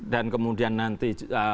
dan kemudian nanti